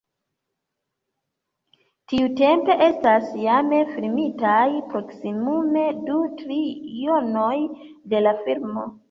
Tiutempe estas jam filmitaj proksimume du trionoj de la filmo.